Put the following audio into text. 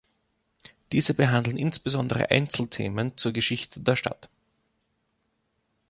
Diese behandeln insbesondere Einzelthemen zur Geschichte der Stadt.